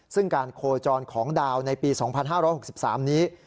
ซึ่งการโคจรของดาวในปี๒๕๖๓นี้